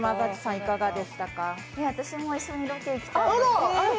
私も一緒にロケ行きたい。